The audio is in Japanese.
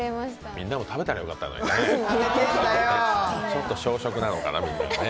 みんなも食べたらよかったのにね。